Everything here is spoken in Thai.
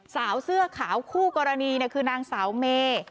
สาวเสื้อขาวคู่กรณีคือนางสาวเม